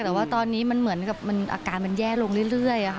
แต่ว่าตอนนี้มันเหมือนกับอาการมันแย่ลงเรื่อย